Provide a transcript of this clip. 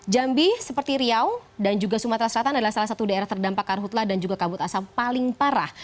jambi seperti riau dan juga sumatera selatan adalah salah satu daerah terdampak karhutlah dan juga kabut asap paling parah